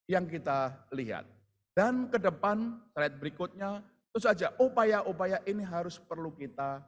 yang kita lihat dan kedepan trade berikutnya terus saja upaya upaya ini harus perlu kita